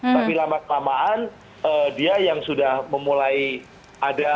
tapi lama kelamaan dia yang sudah memulai ada katakanlah orang orang